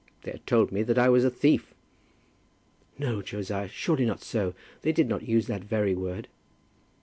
They had told me that I was a thief " "No, Josiah, surely not so? They did not use that very word?"